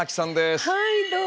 はいどうも。